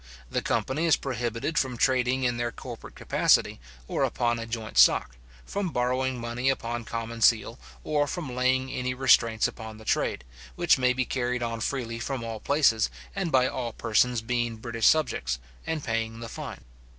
The company is prohibited from trading in their corporate capacity, or upon a joint stock; from borrowing money upon common seal, or from laying any restraints upon the trade, which may be carried on freely from all places, and by all persons being British subjects, and paying the fine.